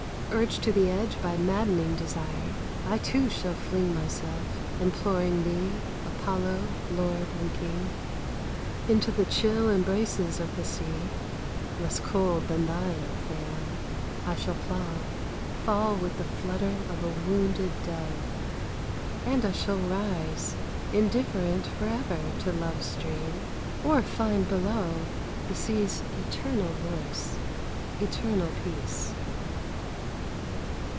Urged to the edge By maddening desire, I, too, shall fling myself Imploring thee, Apollo, lord and king! Into the chill Embraces of the sea, Less cold than thine, O Phaon, I shall fall Fall with the flutter of a wounded dove; And I shall rise Indifferent forever to love's dream, Or find below The sea's eternal voice, Eternal peace.